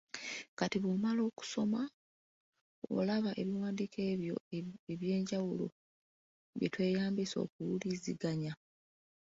Kati bw'omala okusoma olaba ebiwandiiko ebyo eby’enjawulo bye tweyambisa okuwuliziganya.